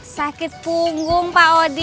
sakit punggung pak odi